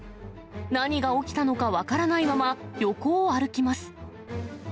何が起きたのか分からないまま、横を歩きます。